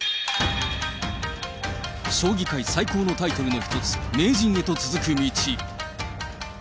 将棋界最高のタイトルの一つ、名人へと続く道。